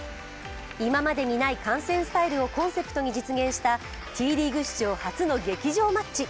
今までにない観戦スタイルをコンセプトに実現したＴリーグ史上初の劇場マッチ。